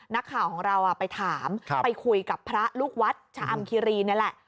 นักข่าวของเราไปถามไปคุยกับพระลูกวัดชะอำคิรีนี่แหละ